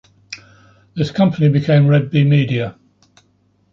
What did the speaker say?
This company became Red Bee Media.